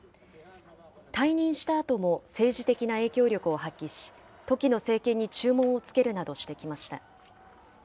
退任したあとも政治的な影響力を発揮し、時の政権に注文をつけるなどしてきました。